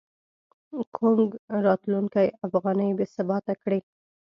ګونګ راتلونکی افغانۍ بې ثباته کړې.